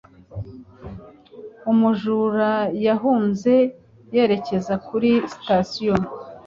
Umujura yahunze yerekeza kuri sitasiyo